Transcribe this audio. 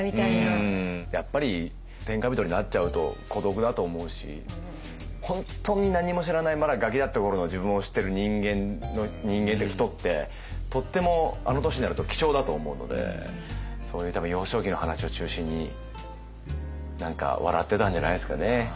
やっぱり天下人になっちゃうと孤独だと思うし本当に何も知らないまだガキだった頃の自分を知ってる人間人ってとってもあの年になると貴重だと思うのでそういう多分幼少期の話を中心に何か笑ってたんじゃないですかね。